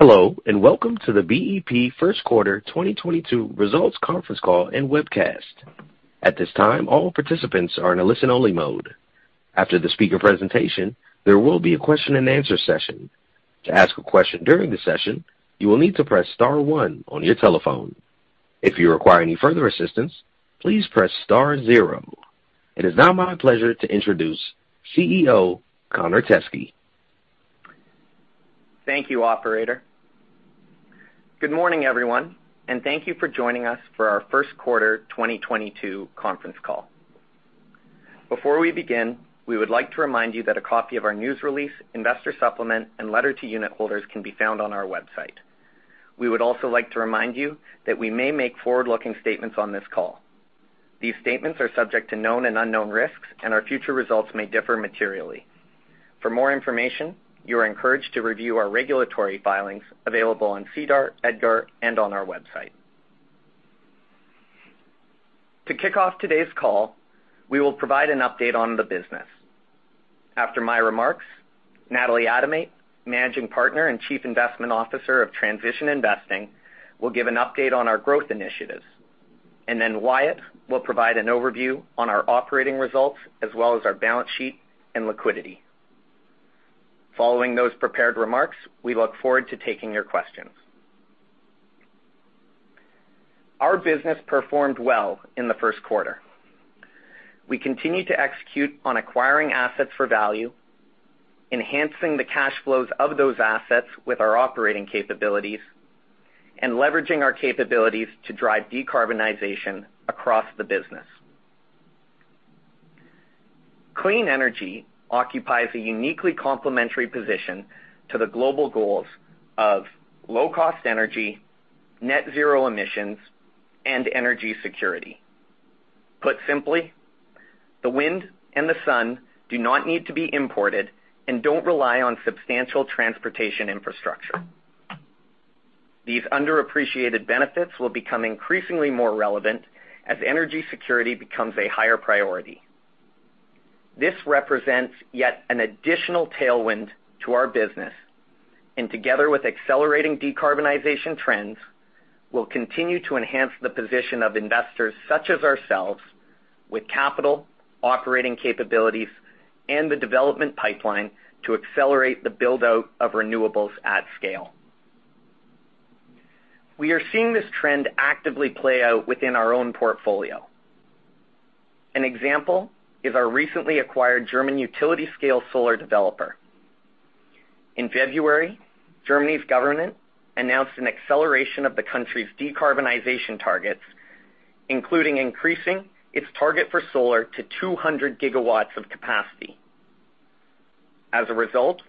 Hello, and welcome to the BEP first quarter 2022 results conference call and webcast. At this time, all participants are in a listen-only mode. After the speaker presentation, there will be a question-and-answer session. To ask a question during the session, you will need to press star one on your telephone. If you require any further assistance, please press star zero. It is now my pleasure to introduce CEO Connor Teskey. Thank you, operator. Good morning, everyone, and thank you for joining us for our first quarter 2022 conference call. Before we begin, we would like to remind you that a copy of our news release, investor supplement, and letter to unit holders can be found on our website. We would also like to remind you that we may make forward-looking statements on this call. These statements are subject to known and unknown risks, and our future results may differ materially. For more information, you are encouraged to review our regulatory filings available on SEDAR, EDGAR, and on our website. To kick off today's call, we will provide an update on the business. After my remarks, Natalie Adomait, Managing Partner and Chief Investment Officer of Transition Investing, will give an update on our growth initiatives, and then Wyatt will provide an overview on our operating results as well as our balance sheet and liquidity. Following those prepared remarks, we look forward to taking your questions. Our business performed well in the first quarter. We continued to execute on acquiring assets for value, enhancing the cash flows of those assets with our operating capabilities, and leveraging our capabilities to drive decarbonization across the business. Clean energy occupies a uniquely complementary position to the global goals of low-cost energy, net zero emissions, and energy security. Put simply, the wind and the sun do not need to be imported and don't rely on substantial transportation infrastructure. These underappreciated benefits will become increasingly more relevant as energy security becomes a higher priority. This represents yet an additional tailwind to our business and, together with accelerating decarbonization trends, will continue to enhance the position of investors such as ourselves with capital, operating capabilities, and the development pipeline to accelerate the build-out of renewables at scale. We are seeing this trend actively play out within our own portfolio. An example is our recently acquired German utility-scale solar developer. In February, Germany's government announced an acceleration of the country's decarbonization targets, including increasing its target for solar to 200 GW of capacity. As a result,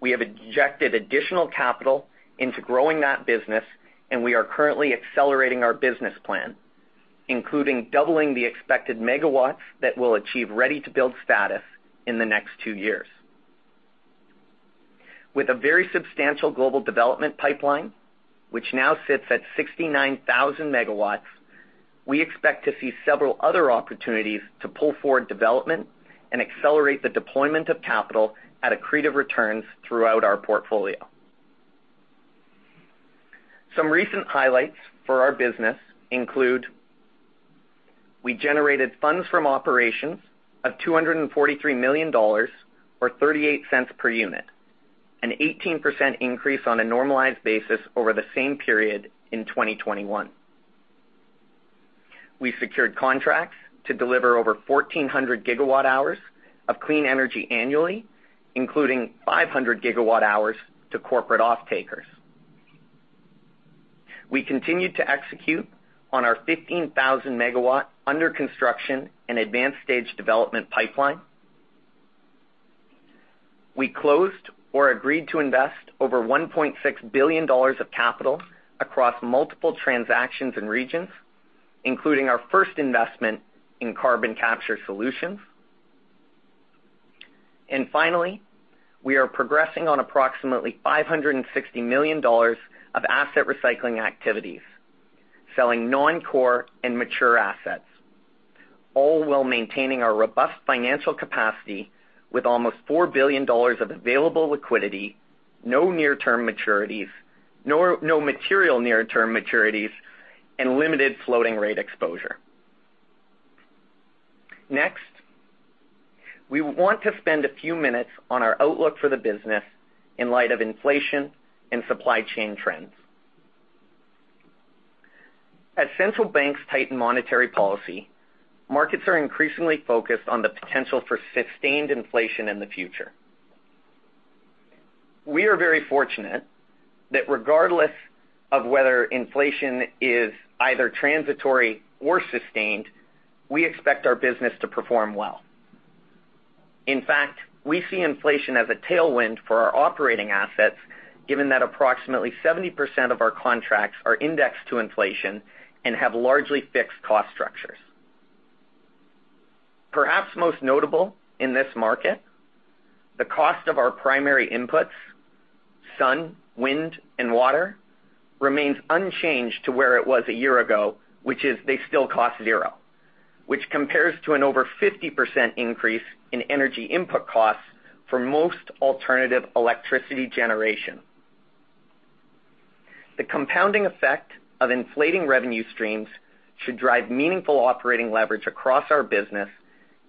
we have injected additional capital into growing that business, and we are currently accelerating our business plan, including doubling the expected megawatts that will achieve ready-to-build status in the next two years. With a very substantial global development pipeline, which now sits at 69,000 MW, we expect to see several other opportunities to pull forward development and accelerate the deployment of capital at accretive returns throughout our portfolio. Some recent highlights for our business include. We generated funds from operations of $243 million, or $0.38 per unit, an 18% increase on a normalized basis over the same period in 2021. We secured contracts to deliver over 1,400 GWh of clean energy annually, including 500 GWh to corporate off-takers. We continued to execute on our 15,000 MW under construction and advanced stage development pipeline. We closed or agreed to invest over $1.6 billion of capital across multiple transactions and regions, including our first investment in carbon capture solutions. Finally, we are progressing on approximately $560 million of asset recycling activities, selling non-core and mature assets, all while maintaining our robust financial capacity with almost $4 billion of available liquidity, no material near-term maturities, and limited floating rate exposure. We want to spend a few minutes on our outlook for the business in light of inflation and supply chain trends. As Central Bank's tighten monetary policy, markets are increasingly focused on the potential for sustained inflation in the future. We are very fortunate that regardless of whether inflation is either transitory or sustained, we expect our business to perform well. In fact, we see inflation as a tailwind for our operating assets, given that approximately 70% of our contracts are indexed to inflation and have largely fixed cost structures. Perhaps most notable in this market, the cost of our primary inputs, sun, wind, and water, remains unchanged to where it was a year ago, which is they still cost zero. Which compares to an over 50% increase in energy input costs for most alternative electricity generation. The compounding effect of inflating revenue streams should drive meaningful operating leverage across our business,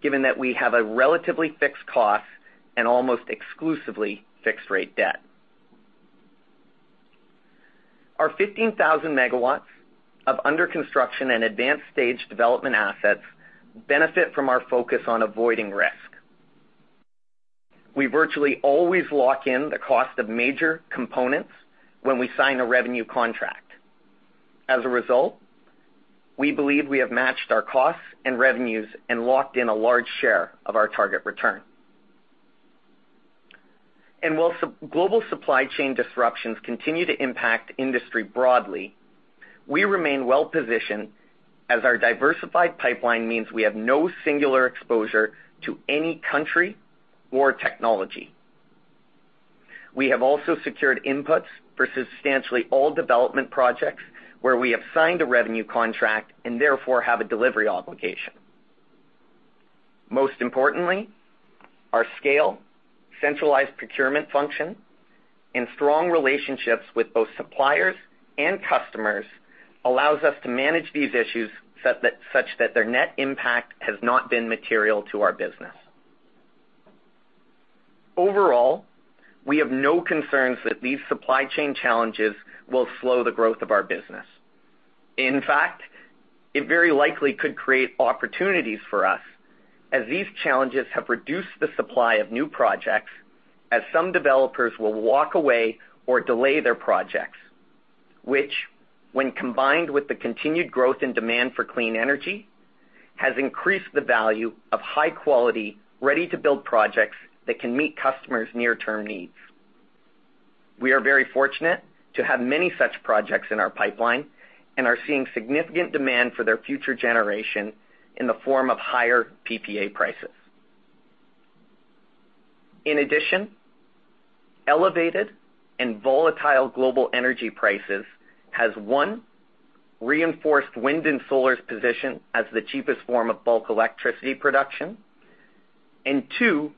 given that we have a relatively fixed cost and almost exclusively fixed rate debt. Our 15,000 MW of under-construction and advanced stage development assets benefit from our focus on avoiding risk. We virtually always lock in the cost of major components when we sign a revenue contract. As a result, we believe we have matched our costs and revenues and locked in a large share of our target return. While global supply chain disruptions continue to impact industry broadly, we remain well-positioned as our diversified pipeline means we have no singular exposure to any country or technology. We have also secured inputs for substantially all development projects where we have signed a revenue contract, and therefore have a delivery obligation. Most importantly, our scale, centralized procurement function, and strong relationships with both suppliers and customers allows us to manage these issues such that their net impact has not been material to our business. Overall, we have no concerns that these supply chain challenges will slow the growth of our business. In fact, it very likely could create opportunities for us, as these challenges have reduced the supply of new projects, as some developers will walk away or delay their projects, which when combined with the continued growth and demand for clean energy, has increased the value of high quality, ready-to-build projects that can meet customers' near-term needs. We are very fortunate to have many such projects in our pipeline and are seeing significant demand for their future generation in the form of higher PPA prices. In addition, elevated and volatile global energy prices has, one, reinforced wind and solar's position as the cheapest form of bulk electricity production, and two,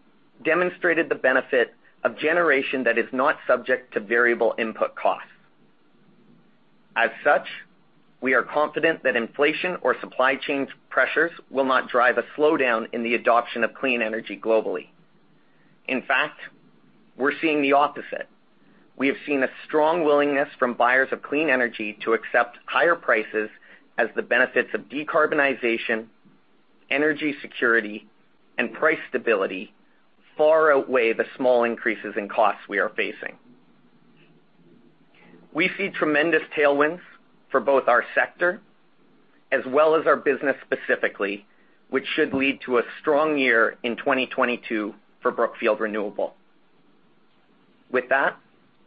demonstrated the benefit of generation that is not subject to variable input costs. As such, we are confident that inflation or supply chains pressures will not drive a slowdown in the adoption of clean energy globally. In fact, we're seeing the opposite. We have seen a strong willingness from buyers of clean energy to accept higher prices as the benefits of decarbonization, energy security, and price stability far outweigh the small increases in costs we are facing. We see tremendous tailwinds for both our sector as well as our business specifically, which should lead to a strong year in 2022 for Brookfield Renewable. With that,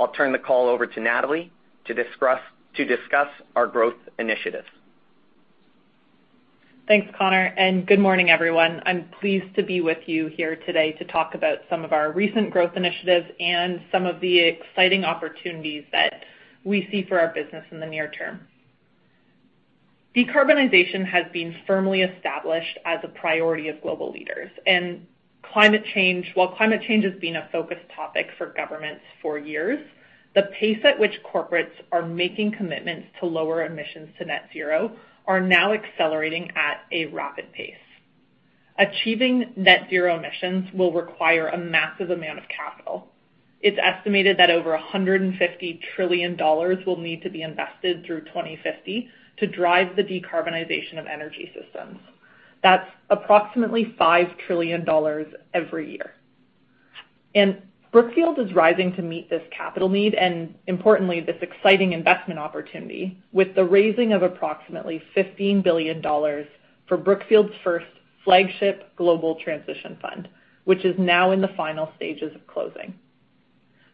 I'll turn the call over to Natalie to discuss our growth initiatives. Thanks, Connor, and good morning, everyone. I'm pleased to be with you here today to talk about some of our recent growth initiatives and some of the exciting opportunities that we see for our business in the near term. Decarbonization has been firmly established as a priority of global leaders. While climate change has been a focus topic for governments for years, the pace at which corporates are making commitments to lower emissions to net zero are now accelerating at a rapid pace. Achieving net zero emissions will require a massive amount of capital. It's estimated that over $150 trillion will need to be invested through 2050 to drive the decarbonization of energy systems. That's approximately $5 trillion every year. Brookfield is rising to meet this capital need, and importantly, this exciting investment opportunity with the raising of approximately $15 billion for Brookfield's first flagship global transition fund, which is now in the final stages of closing.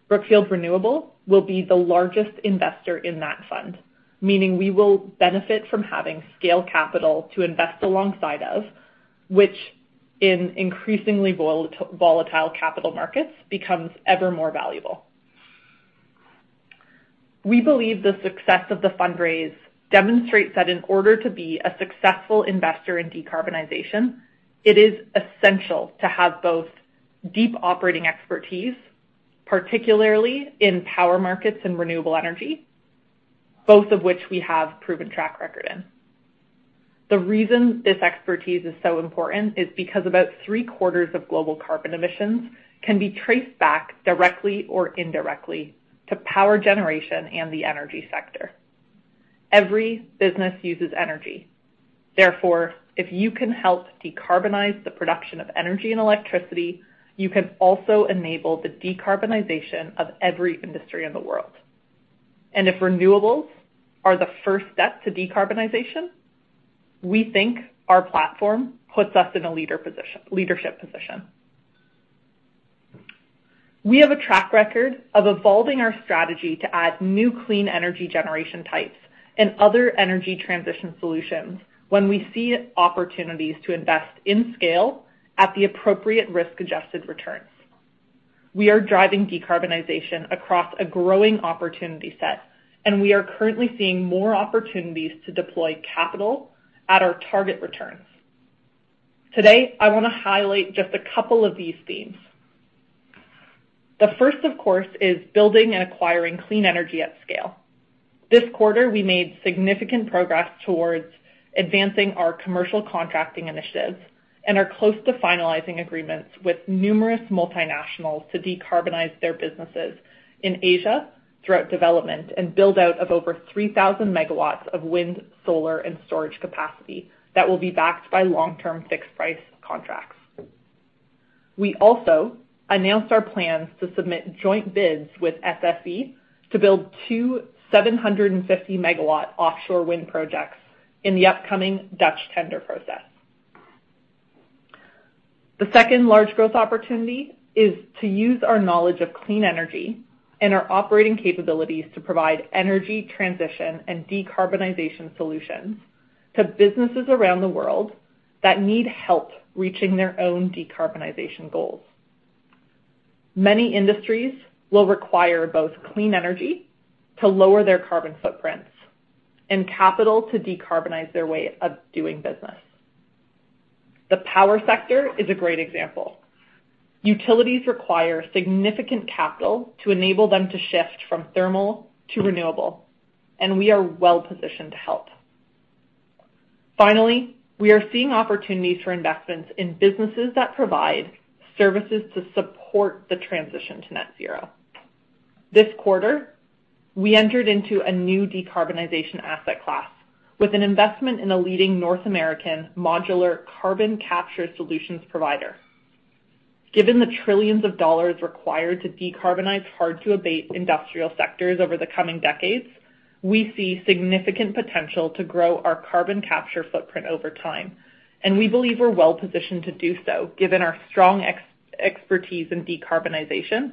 Brookfield Renewable will be the largest investor in that fund, meaning we will benefit from having scale capital to invest alongside of, which in increasingly volatile capital markets, becomes ever more valuable. We believe the success of the fundraise demonstrates that in order to be a successful investor in decarbonization, it is essential to have both deep operating expertise, particularly in power markets and renewable energy, both of which we have proven track record in. The reason this expertise is so important is because about three-quarters of global carbon emissions can be traced back directly or indirectly to power generation and the energy sector. Every business uses energy. Therefore, if you can help decarbonize the production of energy and electricity, you can also enable the decarbonization of every industry in the world. If renewables are the first step to decarbonization, we think our platform puts us in a leadership position. We have a track record of evolving our strategy to add new clean energy generation types and other energy transition solutions when we see opportunities to invest in scale at the appropriate risk-adjusted returns. We are driving decarbonization across a growing opportunity set, and we are currently seeing more opportunities to deploy capital at our target returns. Today, I wanna highlight just a couple of these themes. The first, of course, is building and acquiring clean energy at scale. This quarter, we made significant progress towards advancing our commercial contracting initiatives, and are close to finalizing agreements with numerous multinationals to decarbonize their businesses in Asia throughout development and build-out of over 3,000 MW of wind, solar, and storage capacity that will be backed by long-term fixed price contracts. We also announced our plans to submit joint bids with SSE to build two 750-MW offshore wind projects in the upcoming Dutch tender process. The second large growth opportunity is to use our knowledge of clean energy and our operating capabilities to provide energy transition and decarbonization solutions to businesses around the world that need help reaching their own decarbonization goals. Many industries will require both clean energy to lower their carbon footprints and capital to decarbonize their way of doing business. The power sector is a great example. Utilities require significant capital to enable them to shift from thermal to renewable, and we are well-positioned to help. Finally, we are seeing opportunities for investments in businesses that provide services to support the transition to net zero. This quarter, we entered into a new decarbonization asset class with an investment in a leading North American modular carbon capture solutions provider. Given the trillions of dollars required to decarbonize hard to abate industrial sectors over the coming decades, we see significant potential to grow our carbon capture footprint over time, and we believe we're well-positioned to do so given our strong expertise in decarbonization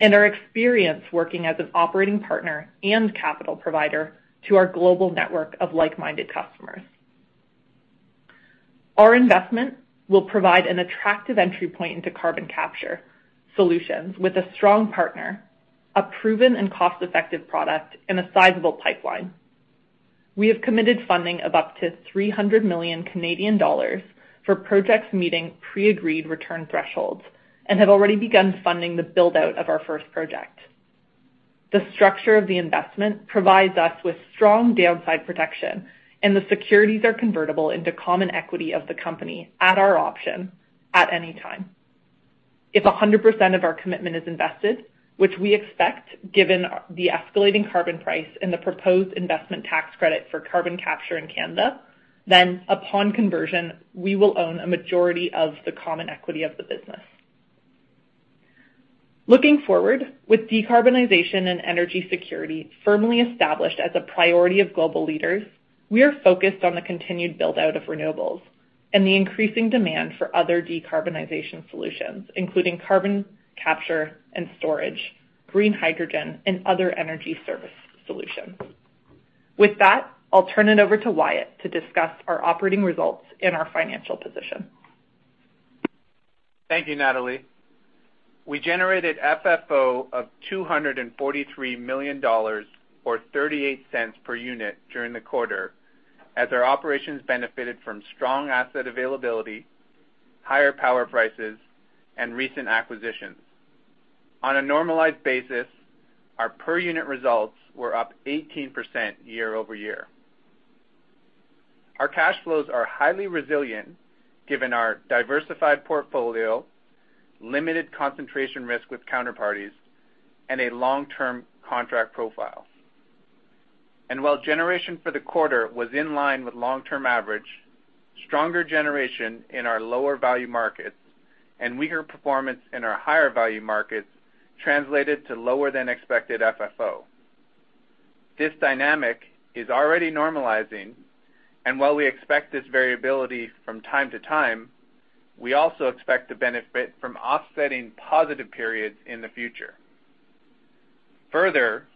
and our experience working as an operating partner and capital provider to our global network of like-minded customers. Our investment will provide an attractive entry point into carbon capture solutions with a strong partner, a proven and cost-effective product, and a sizable pipeline. We have committed funding of up to 300 million Canadian dollars for projects meeting pre-agreed return thresholds and have already begun funding the build-out of our first project. The structure of the investment provides us with strong downside protection, and the securities are convertible into common equity of the company at our option at any time. If 100% of our commitment is invested, which we expect given the escalating carbon price and the proposed investment tax credit for carbon capture in Canada, then upon conversion, we will own a majority of the common equity of the business. Looking forward, with decarbonization and energy security firmly established as a priority of global leaders, we are focused on the continued build-out of renewables and the increasing demand for other decarbonization solutions, including carbon capture and storage, green hydrogen, and other energy service solutions. With that, I'll turn it over to Wyatt to discuss our operating results and our financial position. Thank you, Natalie. We generated FFO of $243 million, or $0.38 per unit during the quarter as our operations benefited from strong asset availability, higher power prices, and recent acquisitions. On a normalized basis, our per unit results were up 18% year-over-year. Our cash flows are highly resilient given our diversified portfolio, limited concentration risk with counterparties, and a long-term contract profile. While generation for the quarter was in line with long-term average, stronger generation in our lower value markets and weaker performance in our higher value markets translated to lower than expected FFO. This dynamic is already normalizing, and while we expect this variability from time to time, we also expect to benefit from offsetting positive periods in the future. Further,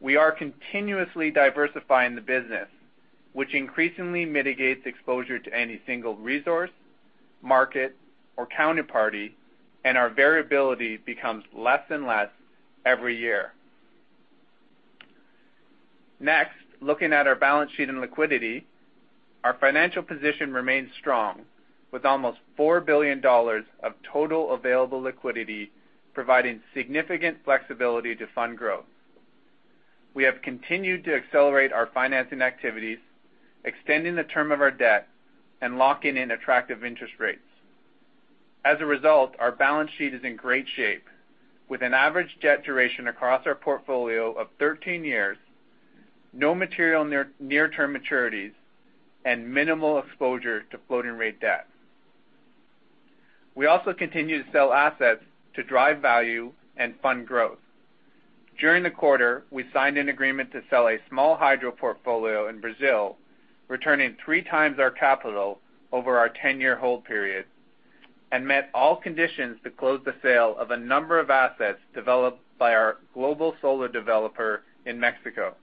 we are continuously diversifying the business, which increasingly mitigates exposure to any single resource, market, or counterparty, and our variability becomes less and less every year. Next, looking at our balance sheet and liquidity, our financial position remains strong with almost $4 billion of total available liquidity, providing significant flexibility to fund growth. We have continued to accelerate our financing activities, extending the term of our debt and locking in attractive interest rates. As a result, our balance sheet is in great shape with an average debt duration across our portfolio of 13 years, no material near-term maturities, and minimal exposure to floating rate debt. We also continue to sell assets to drive value and fund growth. During the quarter, we signed an agreement to sell a small hydro portfolio in Brazil, returning 3x our capital over our 10-year hold period, and met all conditions to close the sale of a number of assets developed by our global solar developer in Mexico.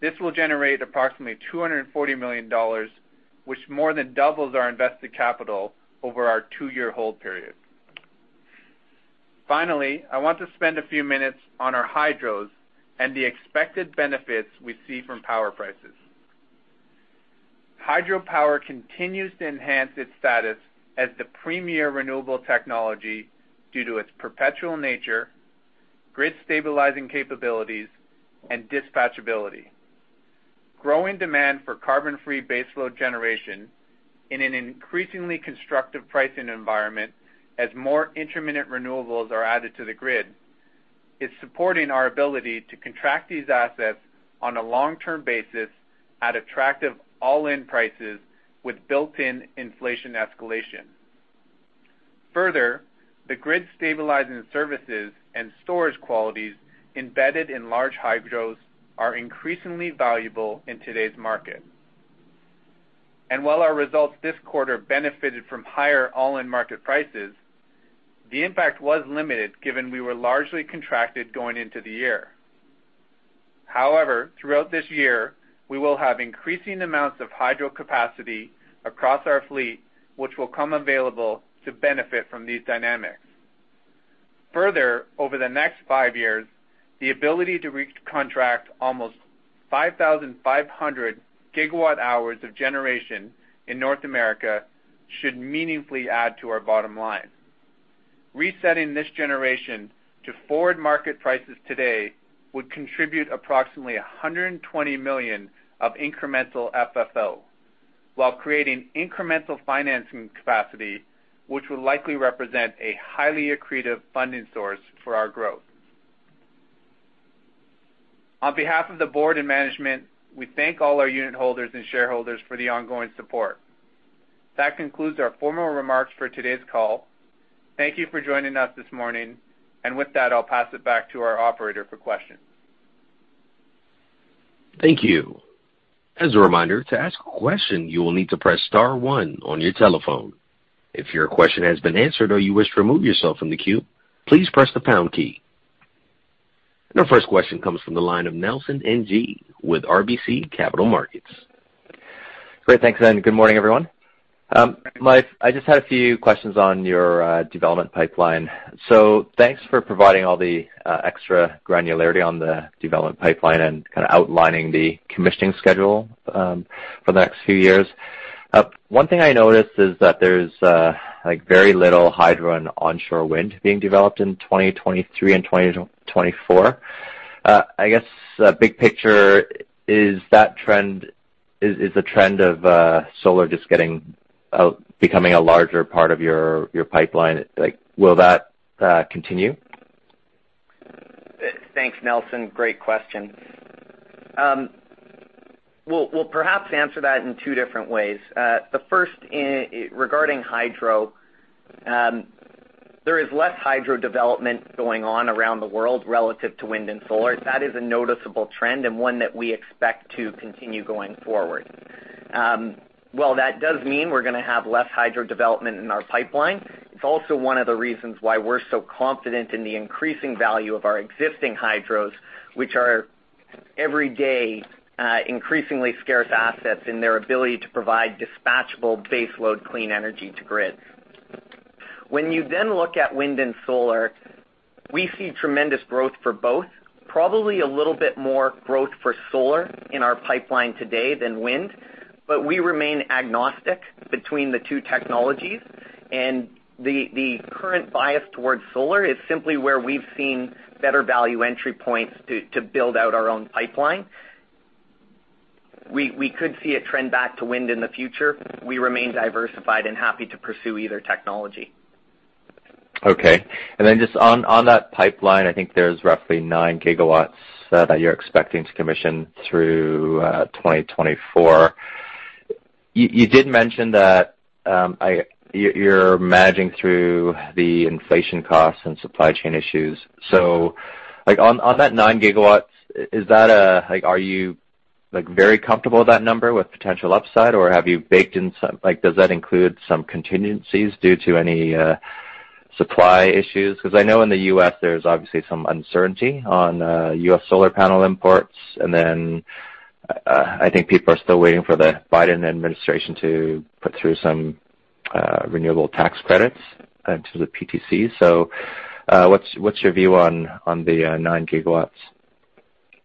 This will generate approximately $240 million, which more than doubles our invested capital over our two-year hold period. Finally, I want to spend a few minutes on our hydros and the expected benefits we see from power prices. Hydro power continues to enhance its status as the premier renewable technology due to its perpetual nature, grid stabilizing capabilities, and dispatchability. Growing demand for carbon-free baseload generation in an increasingly constructive pricing environment as more intermittent renewables are added to the grid is supporting our ability to contract these assets on a long-term basis at attractive all-in prices with built-in inflation escalation. Further, the grid stabilizing services and storage qualities embedded in large hydros are increasingly valuable in today's market. While our results this quarter benefited from higher all-in market prices, the impact was limited given we were largely contracted going into the year. However, throughout this year, we will have increasing amounts of hydro capacity across our fleet, which will come available to benefit from these dynamics. Further, over the next five years, the ability to recontract almost 5,500 GWh of generation in North America should meaningfully add to our bottom line. Resetting this generation to forward market prices today would contribute approximately $120 million of incremental FFO, while creating incremental financing capacity, which will likely represent a highly accretive funding source for our growth. On behalf of the Board and management, we thank all our unitholders and shareholders for the ongoing support. That concludes our formal remarks for today's call. Thank you for joining us this morning. With that, I'll pass it back to our operator for questions. Thank you. As a reminder, to ask a question, you will need to press star one on your telephone. If your question has been answered or you wish to remove yourself from the queue, please press the pound key. Our first question comes from the line of Nelson Ng with RBC Capital Markets. Great. Thanks, Glen. Good morning, everyone. I just had a few questions on your development pipeline. Thanks for providing all the extra granularity on the development pipeline and kind of outlining the commissioning schedule for the next few years. One thing I noticed is that there's like very little hydro and onshore wind being developed in 2023 and 2024. I guess big picture, is that trend? Is the trend of solar just becoming a larger part of your pipeline? Like, will that continue? Thanks, Nelson. Great question. We'll perhaps answer that in two different ways. The first is regarding hydro. There is less hydro development going on around the world relative to wind and solar. That is a noticeable trend and one that we expect to continue going forward. While that does mean we're gonna have less hydro development in our pipeline, it's also one of the reasons why we're so confident in the increasing value of our existing hydros, which are every day increasingly scarce assets in their ability to provide dispatchable baseload clean energy to grids. When you then look at wind and solar, we see tremendous growth for both, probably a little bit more growth for solar in our pipeline today than wind, but we remain agnostic between the two technologies. The current bias towards solar is simply where we've seen better value entry points to build out our own pipeline. We could see a trend back to wind in the future. We remain diversified and happy to pursue either technology. Okay. Just on that pipeline, I think there's roughly 9 GW that you're expecting to commission through 2024. You did mention that. You're managing through the inflation costs and supply chain issues. Like, on that 9 GW, like, are you like very comfortable with that number with potential upside? Or have you baked in some, like, does that include some contingencies due to any supply issues? Because I know in the U.S., there's obviously some uncertainty on U.S. solar panel imports. I think people are still waiting for the Biden administration to put through some renewable tax credits into the PTC. What's your view on the 9 GW?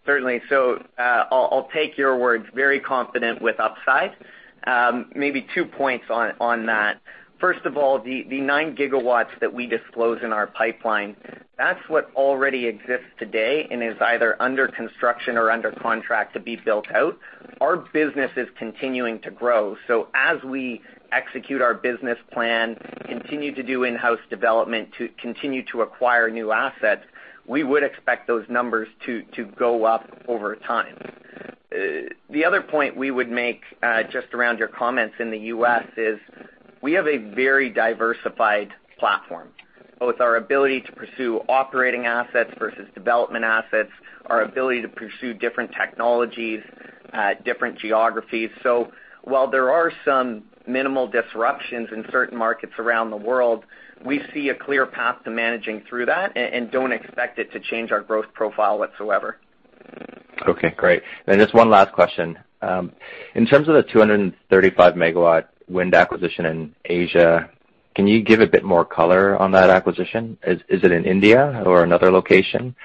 Certainly. I'll take your words, very confident with upside. Maybe two points on that. First of all, the 9 GW that we disclose in our pipeline, that's what already exists today and is either under construction or under contract to be built out. Our business is continuing to grow. As we execute our business plan, continue to do in-house development, to continue to acquire new assets, we would expect those numbers to go up over time. The other point we would make, just around your comments in the U.S. is we have a very diversified platform, both our ability to pursue operating assets versus development assets, our ability to pursue different technologies, different geographies. While there are some minimal disruptions in certain markets around the world, we see a clear path to managing through that and don't expect it to change our growth profile whatsoever. Okay, great. Just one last question. In terms of the 235 MW wind acquisition in Asia, can you give a bit more color on that acquisition? Is it in India or another location?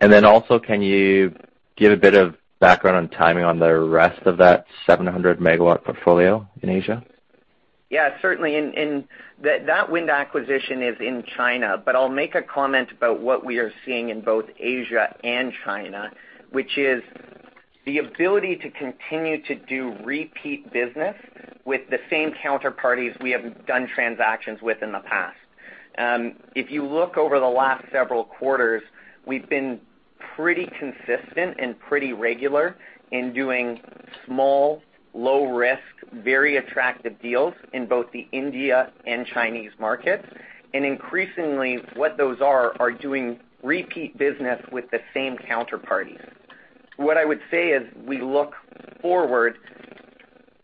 Then also, can you give a bit of background on timing on the rest of that 700 MW portfolio in Asia? Yeah, certainly. That wind acquisition is in China, but I'll make a comment about what we are seeing in both Asia and China, which is the ability to continue to do repeat business with the same counterparties we have done transactions with in the past. If you look over the last several quarters, we've been pretty consistent and pretty regular in doing small, low risk, very attractive deals in both the Indian and Chinese markets. Increasingly, what those are doing repeat business with the same counterparties. What I would say as we look forward,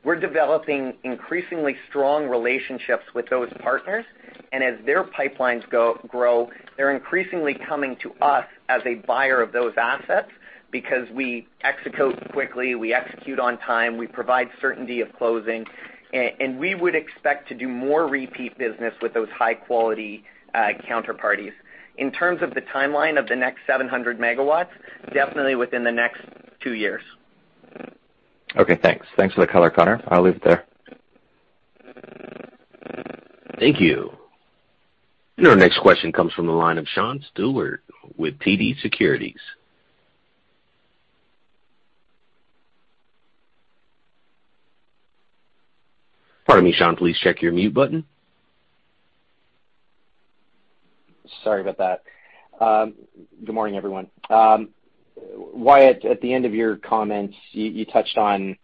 we're developing increasingly strong relationships with those partners, and as their pipelines grow, they're increasingly coming to us as a buyer of those assets because we execute quickly, we execute on time, we provide certainty of closing. We would expect to do more repeat business with those high-quality counterparties. In terms of the timeline of the next 700 MW, definitely within the next two years. Okay, thanks. Thanks for the color, Connor. I'll leave it there. Thank you. Our next question comes from the line of Sean Steuart with TD Securities. Pardon me, Sean, please check your mute button. Sorry about that. Good morning, everyone. Wyatt, at the end of your comments, you touched on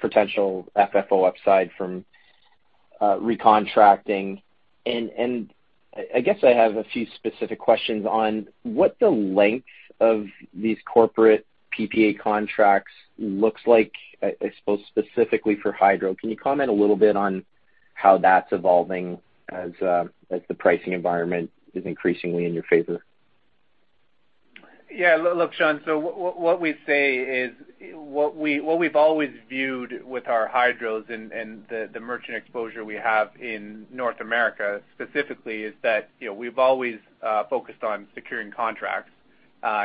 potential FFO upside from recontracting. I guess I have a few specific questions on what the length of these corporate PPA contracts looks like, I suppose specifically for hydro. Can you comment a little bit on how that's evolving as the pricing environment is increasingly in your favor? Yeah. Look, Sean, what we say is what we've always viewed with our hydros and the merchant exposure we have in North America specifically is that, you know, we've always focused on securing contracts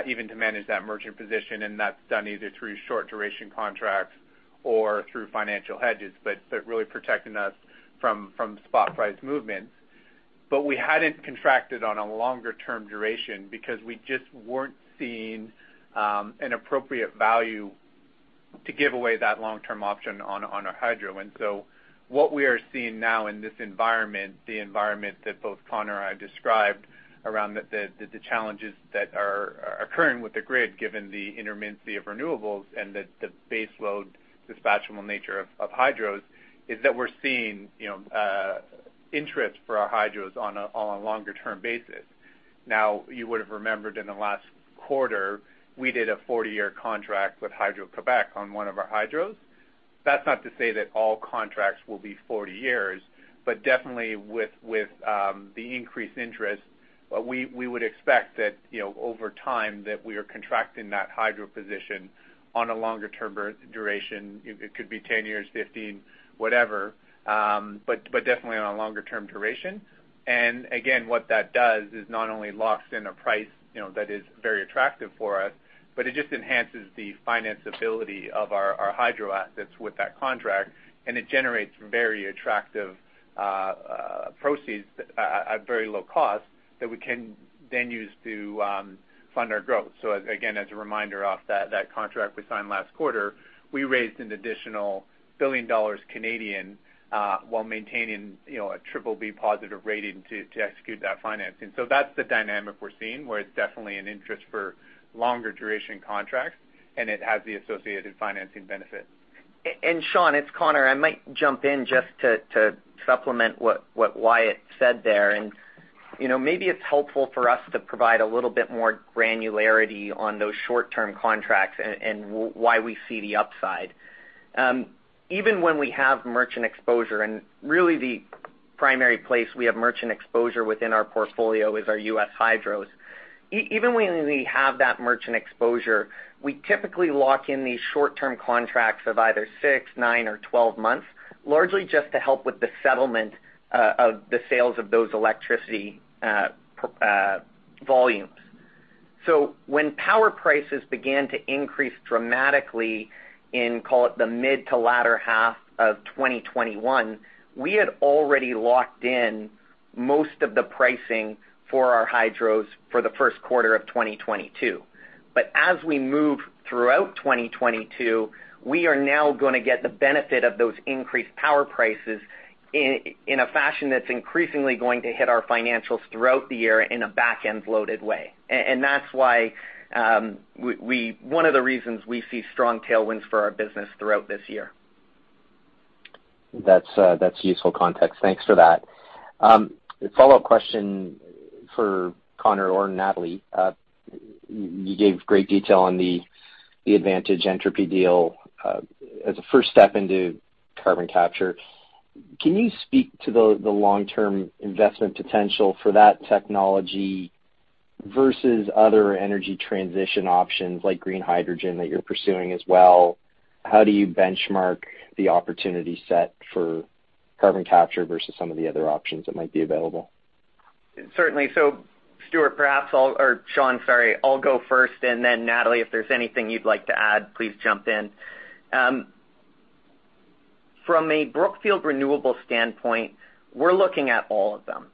even to manage that merchant position, and that's done either through short duration contracts or through financial hedges, but really protecting us from spot price movements. We hadn't contracted on a longer-term duration because we just weren't seeing an appropriate value to give away that long-term option on a hydro. What we are seeing now in this environment, the environment that both Connor and I described around the challenges that are occurring with the grid, given the intermittency of renewables and the base load dispatchable nature of hydros, is that we're seeing, you know, interest for our hydros on a longer term basis. Now, you would have remembered in the last quarter, we did a 40-year contract with Hydro-Québec on one of our hydros. That's not to say that all contracts will be 40 years, but definitely with the increased interest, we would expect that, you know, over time, that we are contracting that hydro position on a longer term duration. It could be 10 years, 15, whatever, but definitely on a longer term duration. Again, what that does is not only locks in a price, you know, that is very attractive for us, but it just enhances the financeability of our hydro assets with that contract, and it generates very attractive proceeds at very low cost that we can then use to fund our growth. As a reminder of that contract we signed last quarter, we raised an additional 1 billion dollars while maintaining, you know, a BBB+ rating to execute that financing. That's the dynamic we're seeing, where it's definitely of interest for longer duration contracts, and it has the associated financing benefit. Sean, it's Connor. I might jump in just to supplement what Wyatt said there. You know, maybe it's helpful for us to provide a little bit more granularity on those short-term contracts and why we see the upside. Even when we have merchant exposure, and really the primary place we have merchant exposure within our portfolio is our U.S. hydros. Even when we have that merchant exposure, we typically lock in these short-term contracts of either six, nine, or 12 months, largely just to help with the settlement of the sales of those electricity volumes. When power prices began to increase dramatically in, call it, the mid to latter half of 2021, we had already locked in most of the pricing for our hydros for the first quarter of 2022. As we move throughout 2022, we are now gonna get the benefit of those increased power prices in a fashion that's increasingly going to hit our financials throughout the year in a back-end loaded way. That's why one of the reasons we see strong tailwinds for our business throughout this year. That's useful context. Thanks for that. A follow-up question for Connor or Natalie. You gave great detail on the Entropy Inc. deal as a first step into carbon capture. Can you speak to the long-term investment potential for that technology versus other energy transition options like green hydrogen that you're pursuing as well? How do you benchmark the opportunity set for carbon capture versus some of the other options that might be available? Certainly. Stuart, perhaps I'll go first, or Sean, sorry, and then Natalie Adomait, if there's anything you'd like to add, please jump in. From a Brookfield Renewable standpoint, we're looking at all of them.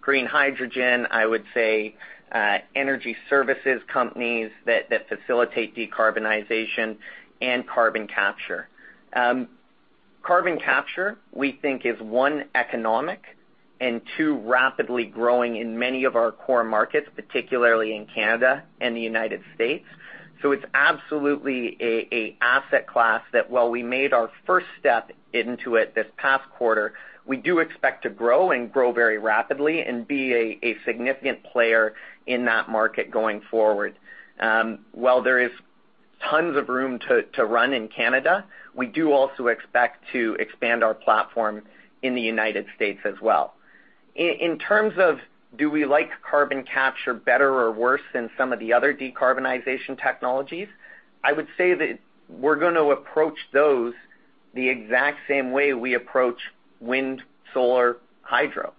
Green hydrogen, I would say, energy services companies that facilitate decarbonization and carbon capture. Carbon capture, we think is, one, economic, and two, rapidly growing in many of our core markets, particularly in Canada and the United States. It's absolutely an asset class that while we made our first step into it this past quarter, we do expect to grow and grow very rapidly and be a significant player in that market going forward. While there is tons of room to run in Canada, we do also expect to expand our platform in the United States as well. In terms of do we like carbon capture better or worse than some of the other decarbonization technologies, I would say that we're gonna approach those the exact same way we approach wind, solar, hydro.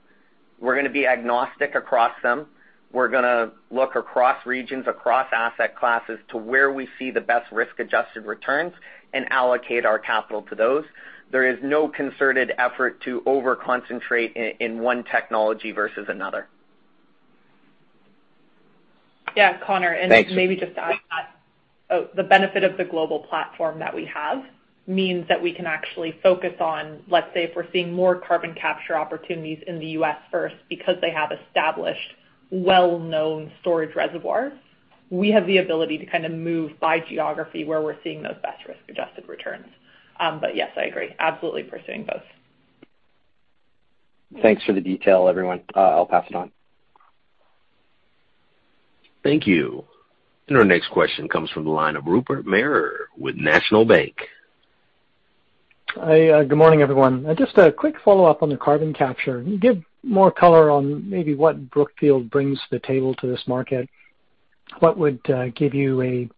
We're gonna be agnostic across them. We're gonna look across regions, across asset classes to where we see the best risk-adjusted returns and allocate our capital to those. There is no concerted effort to over-concentrate in one technology versus another. Yeah, Connor- Thanks. Maybe just to add to that. Oh, the benefit of the global platform that we have means that we can actually focus on, let's say, if we're seeing more carbon capture opportunities in the U.S. first because they have established well-known storage reservoirs, we have the ability to kind of move by geography where we're seeing those best risk-adjusted returns. But yes, I agree. Absolutely pursuing both. Thanks for the detail, everyone. I'll pass it on. Thank you. Our next question comes from the line of Rupert Merer with National Bank. Hi. Good morning, everyone. Just a quick follow-up on the carbon capture. Can you give more color on maybe what Brookfield brings to the table to this market? What would give you a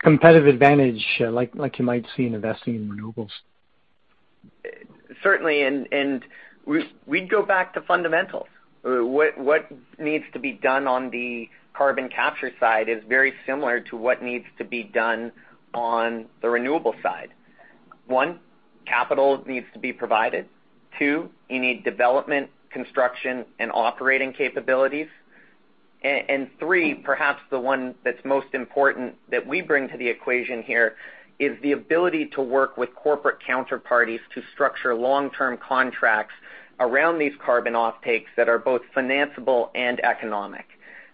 competitive advantage, like you might see in investing in renewables? Certainly, we'd go back to fundamentals. What needs to be done on the carbon capture side is very similar to what needs to be done on the renewable side. One, capital needs to be provided. Two, you need development, construction, and operating capabilities. And three, perhaps the one that's most important that we bring to the equation here is the ability to work with corporate counterparties to structure long-term contracts around these carbon offtakes that are both financiable and economic.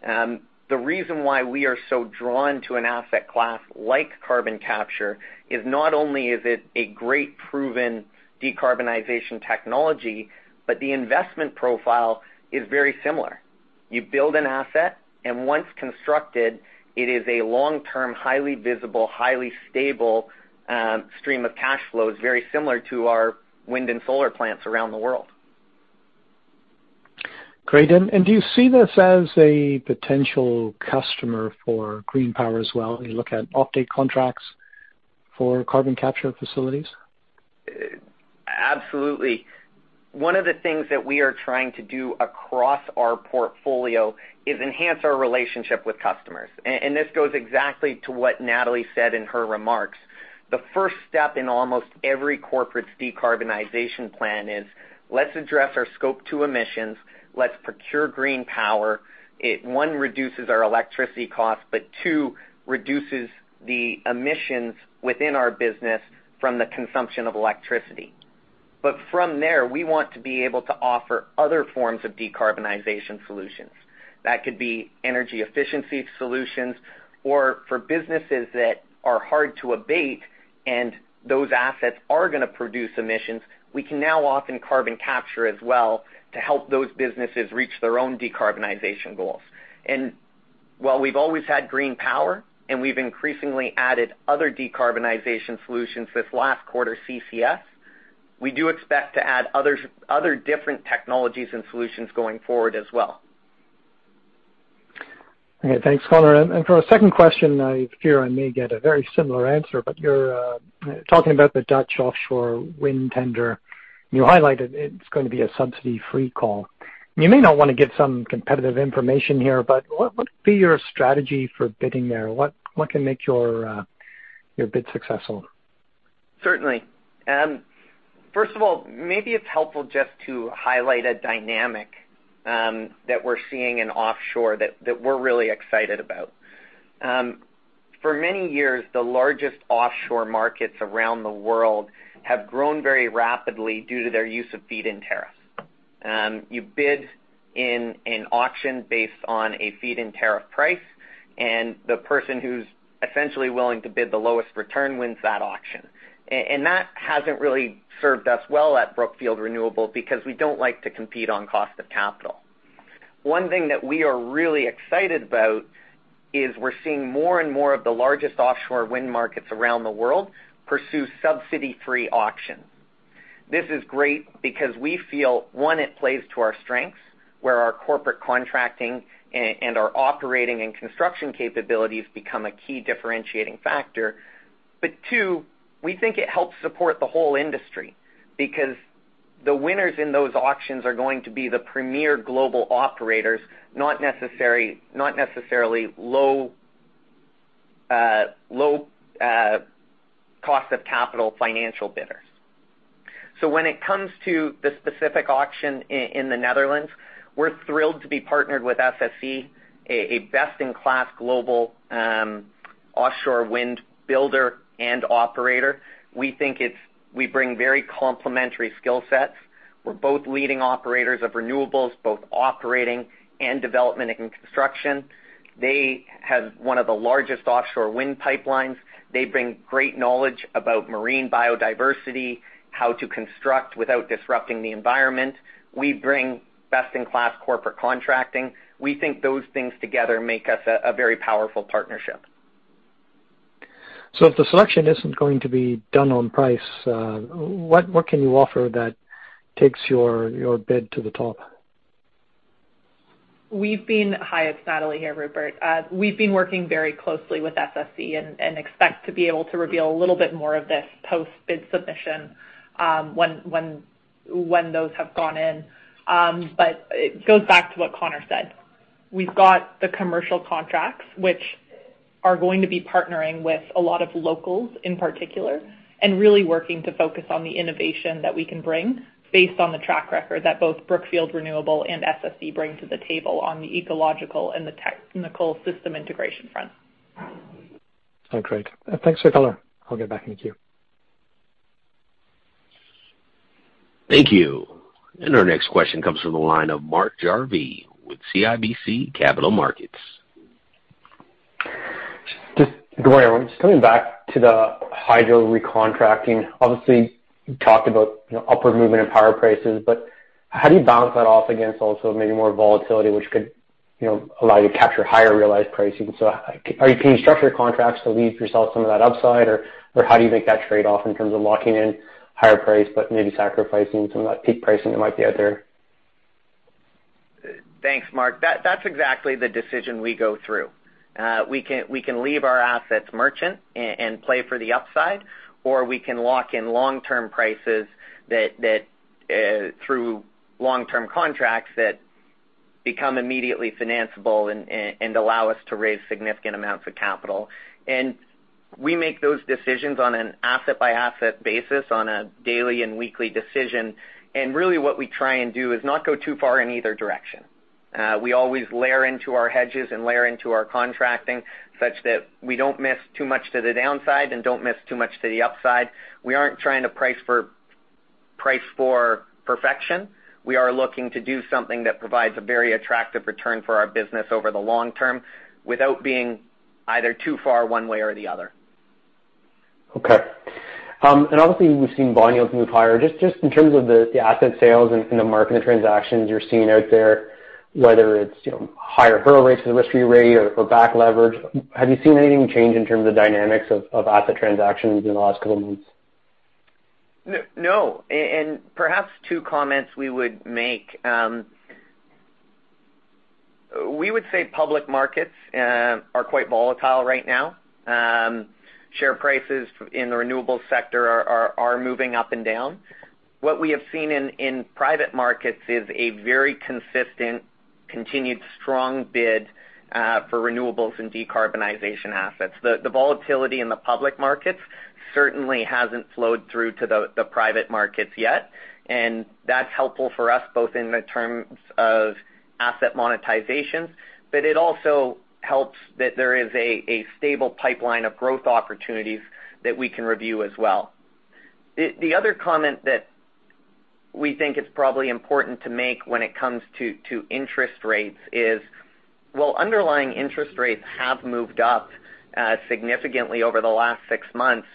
The reason why we are so drawn to an asset class like carbon capture is not only is it a great proven decarbonization technology, but the investment profile is very similar. You build an asset, and once constructed, it is a long-term, highly visible, highly stable, stream of cash flows very similar to our wind and solar plants around the world. Great. Do you see this as a potential customer for green power as well? You look at offtake contracts for carbon capture facilities? Absolutely. One of the things that we are trying to do across our portfolio is enhance our relationship with customers. This goes exactly to what Natalie said in her remarks. The first step in almost every corporate's decarbonization plan is let's address our Scope 2 emissions, let's procure green power. It, one, reduces our electricity costs, but two, reduces the emissions within our business from the consumption of electricity. From there, we want to be able to offer other forms of decarbonization solutions. That could be energy efficiency solutions or for businesses that are hard to abate and those assets are gonna produce emissions, we can now often carbon capture as well to help those businesses reach their own decarbonization goals. While we've always had green power, and we've increasingly added other decarbonization solutions this last quarter, CCS. We do expect to add other different technologies and solutions going forward as well. Okay. Thanks, Connor. For a second question, I fear I may get a very similar answer, but you're talking about the Dutch offshore wind tender. You highlighted it's going to be a subsidy-free call. You may not wanna give some competitive information here, but what would be your strategy for bidding there? What can make your bid successful? Certainly. First of all, maybe it's helpful just to highlight a dynamic that we're seeing in offshore that we're really excited about. For many years, the largest offshore markets around the world have grown very rapidly due to their use of feed-in tariffs. You bid in an auction based on a feed-in tariff price, and the person who's essentially willing to bid the lowest return wins that auction. And that hasn't really served us well at Brookfield Renewable because we don't like to compete on cost of capital. One thing that we are really excited about is we're seeing more and more of the largest offshore wind markets around the world pursue subsidy-free auctions. This is great because we feel, one, it plays to our strengths, where our corporate contracting and our operating and construction capabilities become a key differentiating factor. Two, we think it helps support the whole industry because the winners in those auctions are going to be the premier global operators, not necessarily low-cost of capital financial bidders. When it comes to the specific auction in the Netherlands, we're thrilled to be partnered with SSE, a best-in-class global offshore wind builder and operator. We think we bring very complementary skill sets. We're both leading operators of renewables, both operating and development and construction. They have one of the largest offshore wind pipelines. They bring great knowledge about marine biodiversity, how to construct without disrupting the environment. We bring best-in-class corporate contracting. We think those things together make us a very powerful partnership. If the selection isn't going to be done on price, what can you offer that takes your bid to the top? Hi, it's Natalie here, Rupert. We've been working very closely with SSE and expect to be able to reveal a little bit more of this post-bid submission when those have gone in. It goes back to what Connor said. We've got the commercial contracts, which are going to be partnering with a lot of locals in particular, and really working to focus on the innovation that we can bring based on the track record that both Brookfield Renewable and SSE bring to the table on the ecological and the technical system integration front. Oh, great. Thanks for color. I'll get back in the queue. Thank you. Our next question comes from the line of Mark Jarvi with CIBC Capital Markets. Just coming back to the hydro recontracting. Obviously, you talked about, you know, upward movement in power prices, but how do you balance that off against also maybe more volatility, which could, you know, allow you to capture higher realized pricing? So how are you structuring contracts to leave yourself some of that upside or how do you make that trade-off in terms of locking in higher price, but maybe sacrificing some of that peak pricing that might be out there? Thanks, Mark. That's exactly the decision we go through. We can leave our assets merchant and play for the upside, or we can lock in long-term prices that through long-term contracts that become immediately financeable and allow us to raise significant amounts of capital. We make those decisions on an asset-by-asset basis on a daily and weekly decision. Really, what we try and do is not go too far in either direction. We always layer into our hedges and layer into our contracting such that we don't miss too much to the downside and don't miss too much to the upside. We aren't trying to price for perfection. We are looking to do something that provides a very attractive return for our business over the long term without being either too far one way or the other. Okay. Obviously, we've seen bond yields move higher. Just in terms of the asset sales and the market transactions you're seeing out there, whether it's, you know, higher hurdle rates for the risk-free rate or back leverage, have you seen anything change in terms of dynamics of asset transactions in the last couple of months? No, perhaps two comments we would make. We would say public markets are quite volatile right now. Share prices in the renewable sector are moving up and down. What we have seen in private markets is a very consistent, continued strong bid for renewables and decarbonization assets. The volatility in the public markets certainly hasn't flowed through to the private markets yet, and that's helpful for us both in the terms of asset monetizations, but it also helps that there is a stable pipeline of growth opportunities that we can review as well. The other comment that we think is probably important to make when it comes to interest rates is, while underlying interest rates have moved up significantly over the last six months,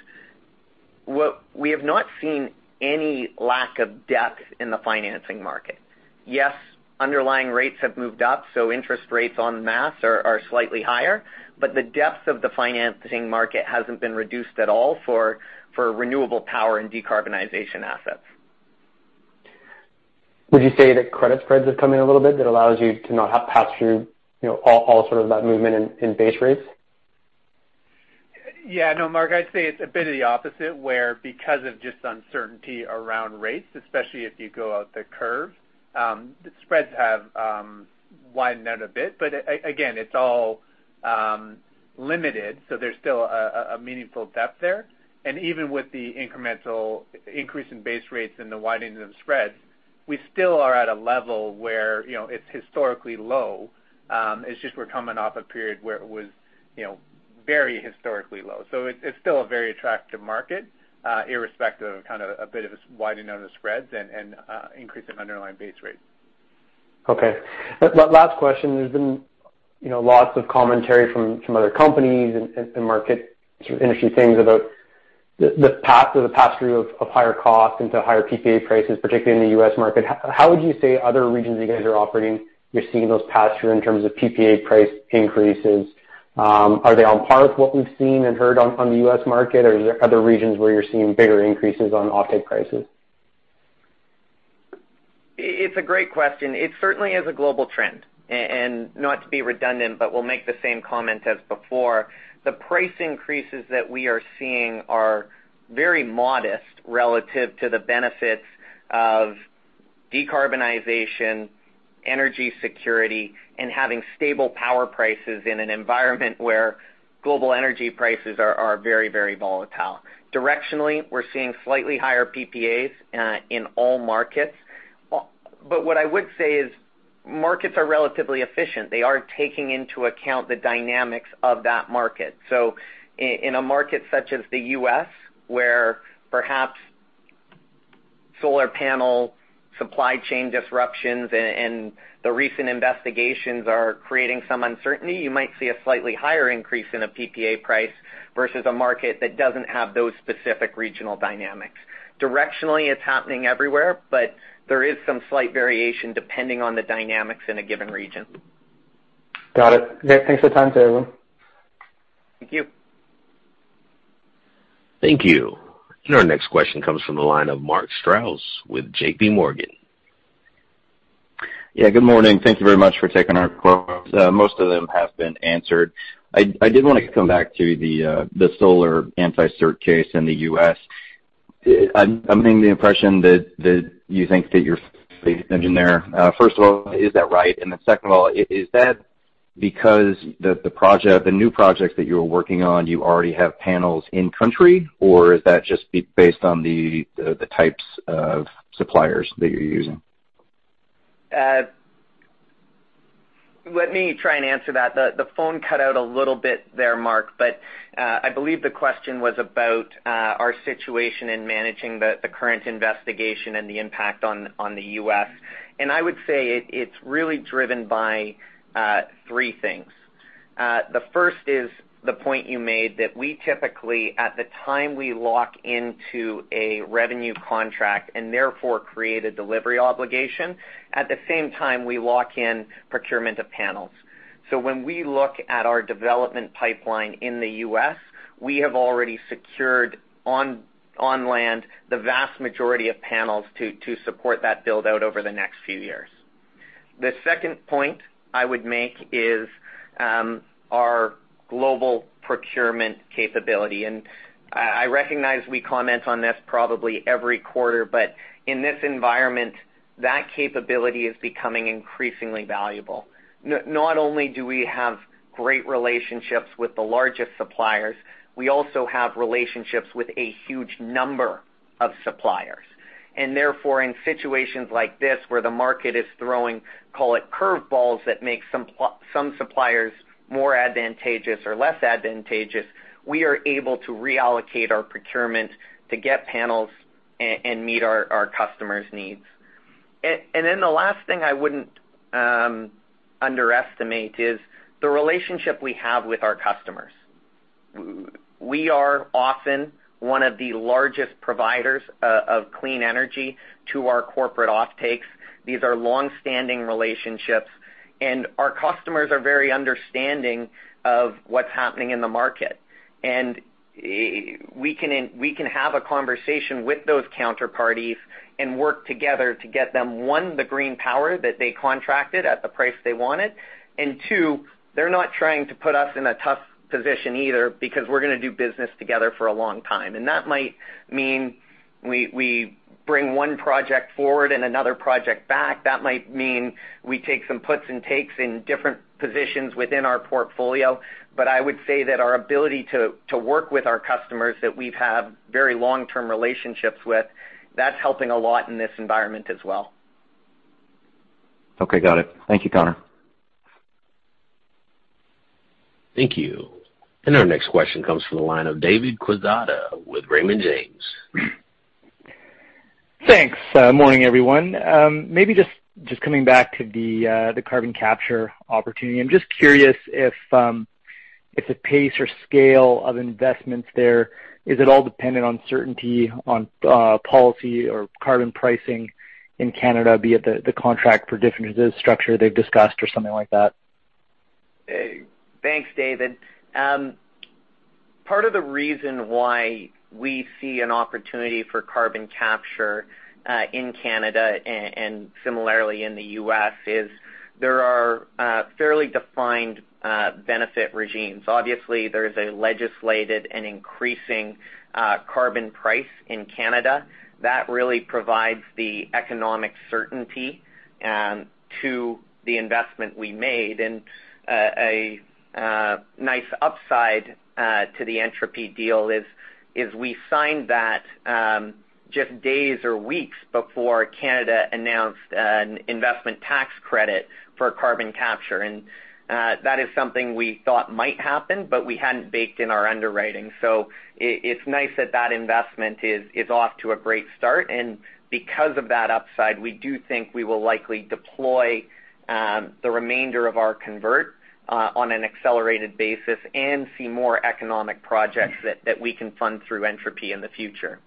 we have not seen any lack of depth in the financing market. Yes, underlying rates have moved up, so interest rates en masse are slightly higher, but the depth of the financing market hasn't been reduced at all for renewable power and decarbonization assets. Would you say that credit spreads have come in a little bit that allows you to not have pass through, you know, all sort of that movement in base rates? Yeah. No, Mark, I'd say it's a bit of the opposite, where because of just uncertainty around rates, especially if you go out the curve, the spreads have widened out a bit. But again, it's all limited, so there's still a meaningful depth there. Even with the incremental increase in base rates and the widening of spreads, we still are at a level where, you know, it's historically low. It's just we're coming off a period where it was, you know, very historically low. So it's still a very attractive market, irrespective of kind of a bit of a widening of the spreads and increase in underlying base rates. Okay. Last question. There's been, you know, lots of commentary from other companies and market sort of industry things about the path or the pass-through of higher costs into higher PPA prices, particularly in the U.S. market. How would you say other regions you guys are operating, you're seeing those pass-through in terms of PPA price increases? Are they on par with what we've seen and heard on the U.S. market? Or are there other regions where you're seeing bigger increases on offtake prices? It's a great question. It certainly is a global trend. Not to be redundant, but we'll make the same comment as before. The price increases that we are seeing are very modest relative to the benefits of decarbonization, energy security, and having stable power prices in an environment where global energy prices are very, very volatile. Directionally, we're seeing slightly higher PPAs in all markets. What I would say is markets are relatively efficient. They are taking into account the dynamics of that market. In a market such as the U.S., where perhaps solar panel supply chain disruptions and the recent investigations are creating some uncertainty, you might see a slightly higher increase in a PPA price versus a market that doesn't have those specific regional dynamics. Directionally, it's happening everywhere, but there is some slight variation depending on the dynamics in a given region. Got it. Yeah, thanks for the time today, everyone Thank you. Thank you. Our next question comes from the line of Mark Strouse with JPMorgan. Yeah, good morning. Thank you very much for taking our call. Most of them have been answered. I did wanna come back to the solar anti-circumvention case in the U.S. I'm getting the impression that you think that you're insulated. First of all, is that right? Then second of all, is that because the project, the new projects that you're working on, you already have panels in country, or is that just based on the types of suppliers that you're using? Let me try and answer that. The phone cut out a little bit there, Mark, but I believe the question was about our situation in managing the current investigation and the impact on the U.S. I would say it's really driven by three things. The first is the point you made that we typically, at the time we lock into a revenue contract, and therefore create a delivery obligation, at the same time, we lock in procurement of panels. So when we look at our development pipeline in the U.S., we have already secured on land the vast majority of panels to support that build-out over the next few years. The second point I would make is our global procurement capability. I recognize we comment on this probably every quarter, but in this environment, that capability is becoming increasingly valuable. Not only do we have great relationships with the largest suppliers, we also have relationships with a huge number of suppliers. Therefore, in situations like this where the market is throwing, call it curve balls, that make some suppliers more advantageous or less advantageous, we are able to reallocate our procurement to get panels and meet our customers' needs. Then the last thing I wouldn't underestimate is the relationship we have with our customers. We are often one of the largest providers of clean energy to our corporate offtakes. These are long-standing relationships, and our customers are very understanding of what's happening in the market. We can have a conversation with those counterparties and work together to get them, one, the green power that they contracted at the price they wanted, and two, they're not trying to put us in a tough position either because we're gonna do business together for a long time. That might mean we bring one project forward and another project back. That might mean we take some puts and takes in different positions within our portfolio. I would say that our ability to work with our customers that we've had very long-term relationships with, that's helping a lot in this environment as well. Okay, got it. Thank you, Connor. Thank you. Our next question comes from the line of David Quezada with Raymond James. Thanks. Morning, everyone. Maybe just coming back to the carbon capture opportunity. I'm just curious if the pace or scale of investments there is all dependent on certainty on policy or carbon pricing in Canada, be it the Contracts for Difference structure they've discussed or something like that? Thanks, David. Part of the reason why we see an opportunity for carbon capture in Canada and similarly in the U.S. is there are fairly defined benefit regimes. Obviously, there is a legislated and increasing carbon price in Canada. That really provides the economic certainty to the investment we made. A nice upside to the Entropy deal is we signed that just days or weeks before Canada announced an investment tax credit for carbon capture. That is something we thought might happen, but we hadn't baked in our underwriting. It's nice that that investment is off to a great start. Because of that upside, we do think we will likely deploy the remainder of our convert on an accelerated basis and see more economic projects that we can fund through Entropy in the future.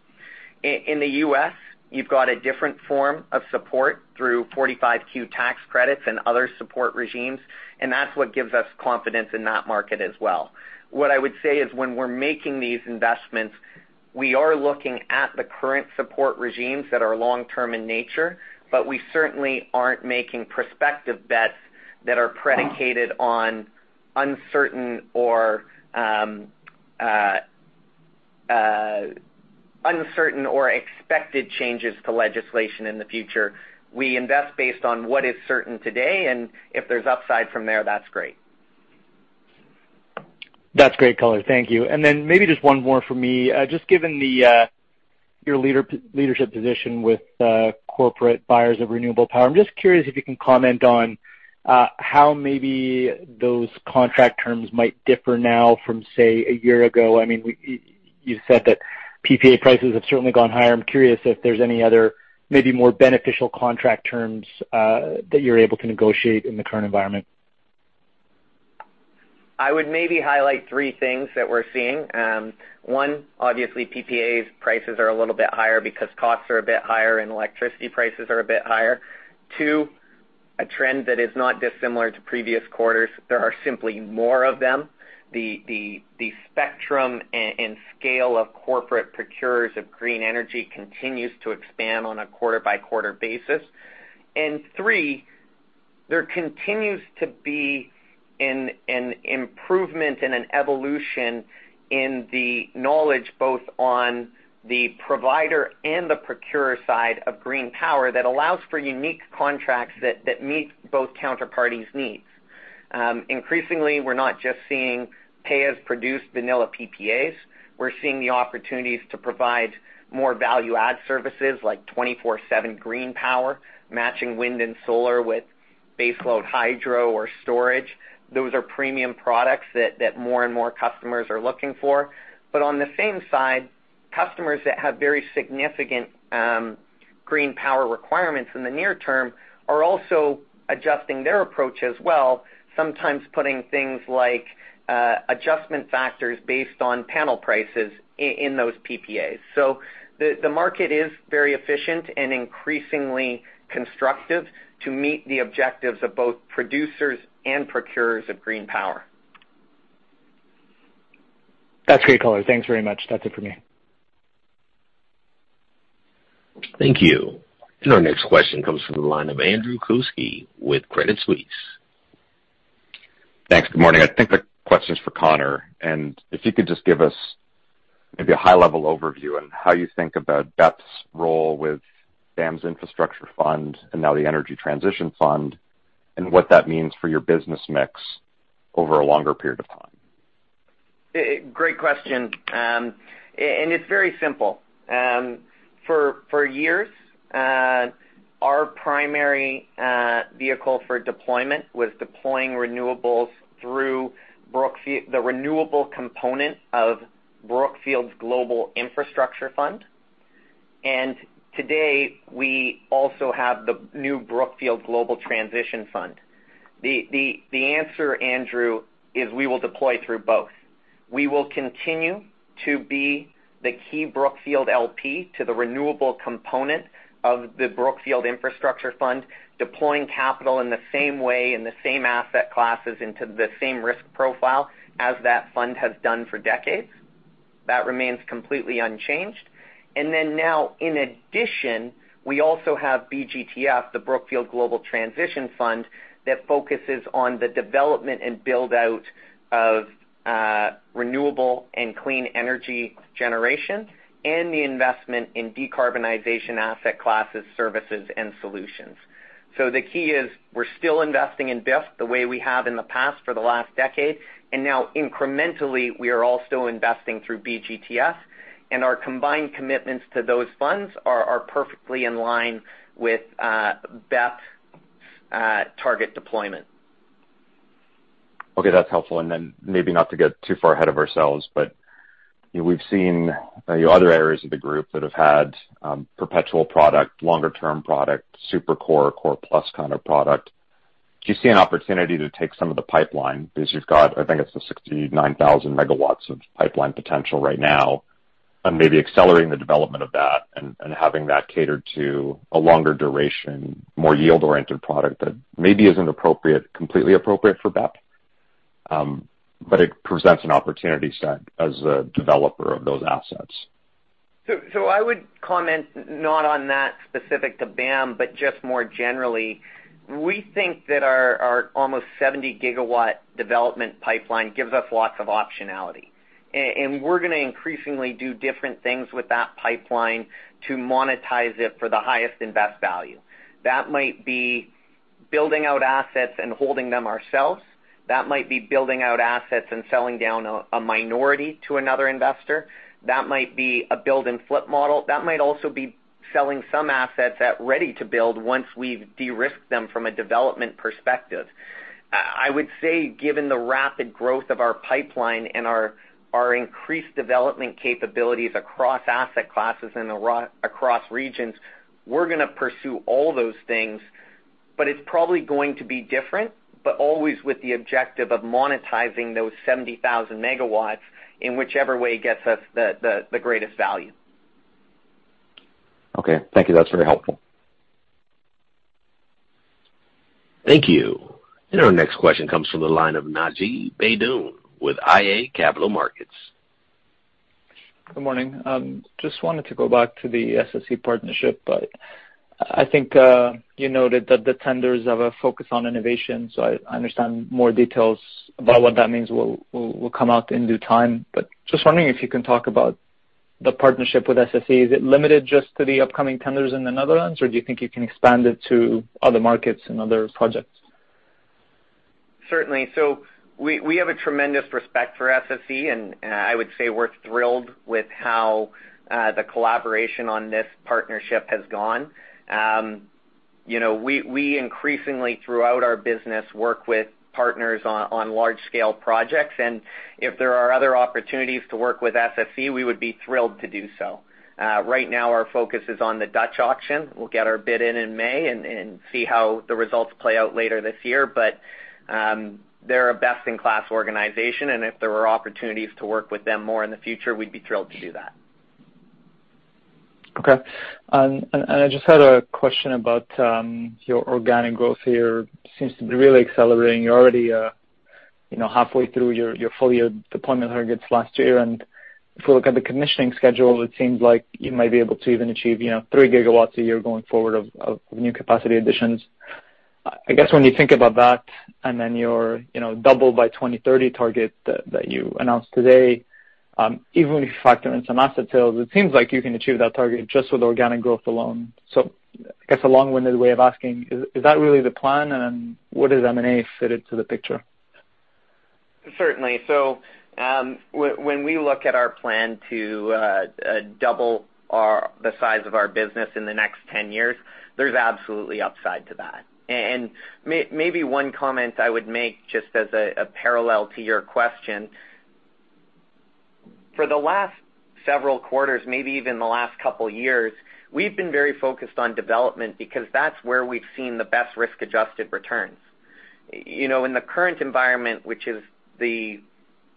In the U.S., you've got a different form of support through 45Q tax credits and other support regimes, and that's what gives us confidence in that market as well. What I would say is when we're making these investments, we are looking at the current support regimes that are long-term in nature, but we certainly aren't making prospective bets that are predicated on uncertain or expected changes to legislation in the future. We invest based on what is certain today, and if there's upside from there, that's great. That's great color. Thank you. Maybe just one more for me. Just given your leadership position with corporate buyers of renewable power, I'm just curious if you can comment on how maybe those contract terms might differ now from, say, a year ago. I mean, you said that PPA prices have certainly gone higher. I'm curious if there's any other maybe more beneficial contract terms that you're able to negotiate in the current environment. I would maybe highlight three things that we're seeing. One, obviously PPA prices are a little bit higher because costs are a bit higher and electricity prices are a bit higher. Two, a trend that is not dissimilar to previous quarters, there are simply more of them. The spectrum and scale of corporate procurers of green energy continues to expand on a quarter-by-quarter basis. Three, there continues to be an improvement and an evolution in the knowledge, both on the provider and the procurer side of green power that allows for unique contracts that meet both counterparties' needs. Increasingly, we're not just seeing pay-as-produced vanilla PPAs. We're seeing the opportunities to provide more value add services like 24/7 green power, matching wind and solar with baseload hydro or storage. Those are premium products that more and more customers are looking for. On the same side, customers that have very significant green power requirements in the near term are also adjusting their approach as well, sometimes putting things like adjustment factors based on panel prices in those PPAs. The market is very efficient and increasingly constructive to meet the objectives of both producers and procurers of green power. That's great color. Thanks very much. That's it for me. Thank you. Our next question comes from the line of Andrew Kuske with Credit Suisse. Thanks. Good morning. I think the question is for Connor, and if you could just give us maybe a high-level overview on how you think about BEP's role with BAM's infrastructure fund and now the energy transition fund and what that means for your business mix over a longer period of time. Great question. It's very simple. For years, our primary vehicle for deployment was deploying renewables through Brookfield, the renewable component of Brookfield's Brookfield Infrastructure Fund. Today, we also have the new Brookfield Global Transition Fund. The answer, Andrew, is we will deploy through both. We will continue to be the key Brookfield LP to the renewable component of the Brookfield Infrastructure Fund, deploying capital in the same way, in the same asset classes, into the same risk profile as that fund has done for decades. That remains completely unchanged. Then now, in addition, we also have BGTF, the Brookfield Global Transition Fund, that focuses on the development and build-out of renewable and clean energy generation and the investment in decarbonization asset classes, services, and solutions. The key is we're still investing in BIF the way we have in the past for the last decade, and now incrementally, we are also investing through BGTF, and our combined commitments to those funds are perfectly in line with BEP's target deployment. Okay, that's helpful. Maybe not to get too far ahead of ourselves, but, you know, we've seen the other areas of the group that have had perpetual product, longer-term product, super core plus kind of product. Do you see an opportunity to take some of the pipeline because you've got, I think it's the 69,000 MW of pipeline potential right now and maybe accelerating the development of that and having that catered to a longer duration, more yield-oriented product that maybe isn't completely appropriate for BEP, but it presents an opportunity set as a developer of those assets? I would comment not on that specific to BAM, but just more generally. We think that our almost 70 GW development pipeline gives us lots of optionality, and we're gonna increasingly do different things with that pipeline to monetize it for the highest and best value. That might be building out assets and holding them ourselves. That might be building out assets and selling down a minority to another investor. That might be a build and flip model. That might also be selling some assets at ready-to-build once we've de-risked them from a development perspective. I would say, given the rapid growth of our pipeline and our increased development capabilities across asset classes and across regions, we're gonna pursue all those things, but it's probably going to be different, but always with the objective of monetizing those 70,000 MW in whichever way gets us the greatest value. Okay. Thank you. That's very helpful. Thank you. Our next question comes from the line of Naji Baydoun with iA Capital Markets. Good morning. Just wanted to go back to the SSE partnership, but I think you noted that the tenders have a focus on innovation, so I understand more details about what that means will come out in due time. Just wondering if you can talk about the partnership with SSE. Is it limited just to the upcoming tenders in the Netherlands, or do you think you can expand it to other markets and other projects? Certainly. We have a tremendous respect for SSE, and I would say we're thrilled with how the collaboration on this partnership has gone. You know, we increasingly, throughout our business, work with partners on large scale projects, and if there are other opportunities to work with SSE, we would be thrilled to do so. Right now our focus is on the Dutch auction. We'll get our bid in in May and see how the results play out later this year. They're a best in class organization, and if there were opportunities to work with them more in the future, we'd be thrilled to do that. Okay. I just had a question about your organic growth here. Seems to be really accelerating. You're already, you know, halfway through your full year deployment targets last year. If we look at the commissioning schedule, it seems like you might be able to even achieve, you know, 3 GW a year going forward of new capacity additions. I guess when you think about that and then your, you know, double by 2030 target that you announced today, even if you factor in some asset sales, it seems like you can achieve that target just with organic growth alone. I guess a long-winded way of asking, is that really the plan, and what is M&A fitted to the picture? Certainly. When we look at our plan to double the size of our business in the next 10 years, there's absolutely upside to that. Maybe one comment I would make just as a parallel to your question. For the last several quarters, maybe even the last couple years, we've been very focused on development because that's where we've seen the best risk-adjusted returns. You know, in the current environment, which is the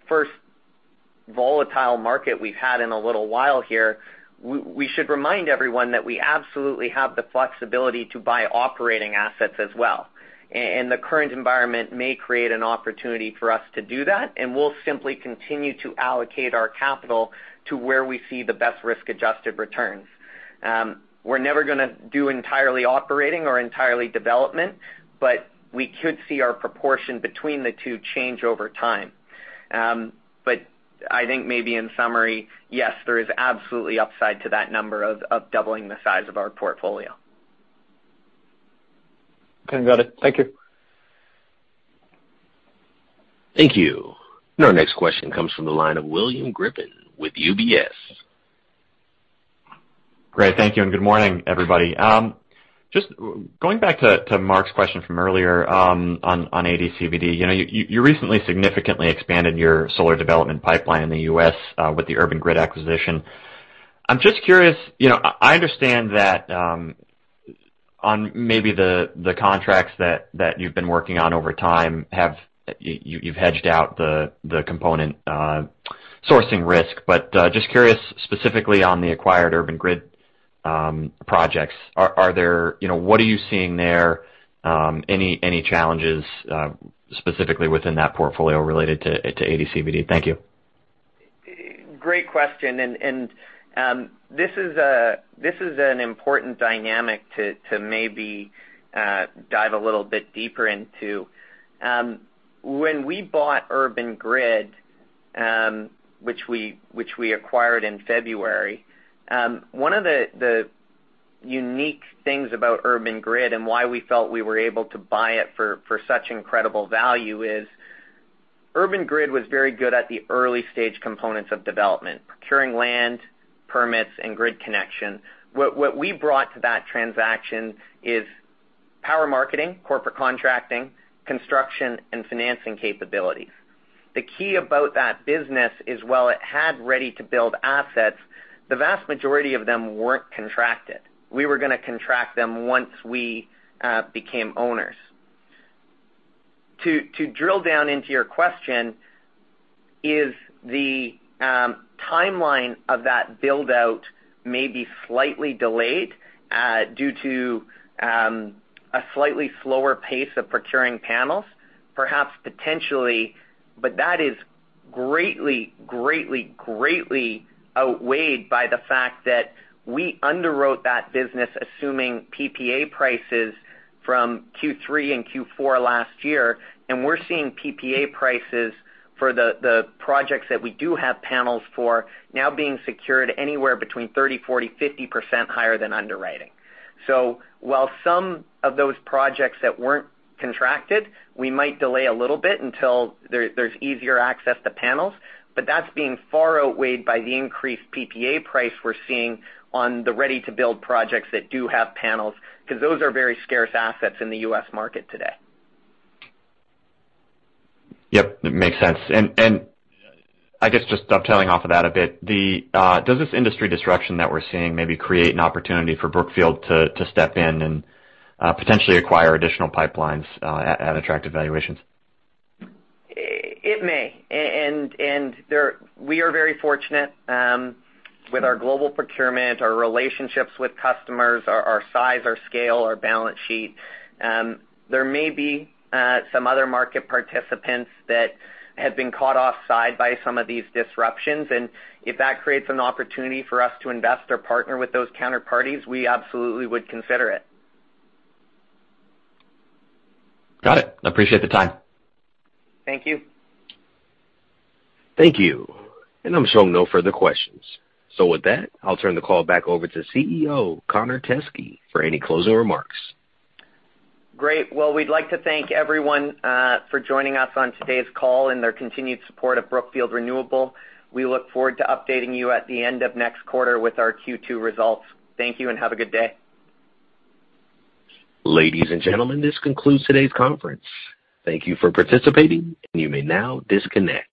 first volatile market we've had in a little while here, we should remind everyone that we absolutely have the flexibility to buy operating assets as well. The current environment may create an opportunity for us to do that, and we'll simply continue to allocate our capital to where we see the best risk-adjusted returns. We're never gonna do entirely operating or entirely development, but we could see our proportion between the two change over time. I think maybe in summary, yes, there is absolutely upside to that number of doubling the size of our portfolio. Okay. Got it. Thank you. Thank you. Our next question comes from the line of William Grippin with UBS. Great. Thank you, and good morning, everybody. Just going back to Mark's question from earlier, on ADCVD. You recently significantly expanded your solar development pipeline in the U.S., with the Urban Grid acquisition. I'm just curious, I understand that, on maybe the contracts that you've been working on over time, you've hedged out the component sourcing risk. But just curious, specifically on the acquired Urban Grid projects, what are you seeing there? Any challenges specifically within that portfolio related to ADCVD? Thank you. Great question. This is an important dynamic to maybe dive a little bit deeper into. When we bought Urban Grid, which we acquired in February, one of the unique things about Urban Grid and why we felt we were able to buy it for such incredible value is Urban Grid was very good at the early-stage components of development, procuring land, permits, and grid connection. What we brought to that transaction is power marketing, corporate contracting, construction, and financing capabilities. The key about that business is while it had ready to build assets, the vast majority of them weren't contracted. We were gonna contract them once we became owners. To drill down into your question, the timeline of that build-out may be slightly delayed due to a slightly slower pace of procuring panels, perhaps potentially. That is greatly outweighed by the fact that we underwrote that business assuming PPA prices from Q3 and Q4 last year. We're seeing PPA prices for the projects that we do have panels for now being secured anywhere between 30%, 40%, 50% higher than underwriting. While some of those projects that weren't contracted, we might delay a little bit until there's easier access to panels, but that's being far outweighed by the increased PPA price we're seeing on the ready-to-build projects that do have panels, because those are very scarce assets in the U.S. market today. Yep, it makes sense. I guess just dovetailing off of that a bit. Does this industry disruption that we're seeing maybe create an opportunity for Brookfield to step in and potentially acquire additional pipelines at attractive valuations? It may. We are very fortunate with our global procurement, our relationships with customers, our size, our scale, our balance sheet. There may be some other market participants that have been caught offside by some of these disruptions, and if that creates an opportunity for us to invest or partner with those counterparties, we absolutely would consider it. Got it. I appreciate the time. Thank you. Thank you. I'm showing no further questions. With that, I'll turn the call back over to CEO Connor Teskey for any closing remarks. Great. Well, we'd like to thank everyone for joining us on today's call and their continued support of Brookfield Renewable. We look forward to updating you at the end of next quarter with our Q2 results. Thank you and have a good day. Ladies and gentlemen, this concludes today's conference. Thank you for participating, and you may now disconnect.